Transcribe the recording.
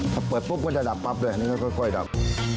ถ้าเปิดปุ๊บมันจะดับปรับเลยก็ค่อยดับ